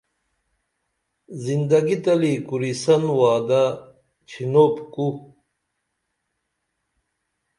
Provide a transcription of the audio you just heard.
زندگی تلی کُریسن وعدہ ڇھنپ کُو